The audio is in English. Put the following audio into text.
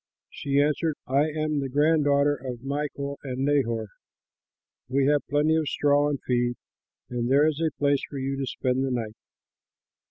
She answered, "I am the grand daughter of Milcah and Nahor. We have plenty of straw and feed, and there is a place for you to spend the night."